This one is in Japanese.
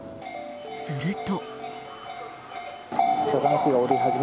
すると。